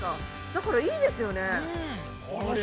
だから、いいですよね、あれ。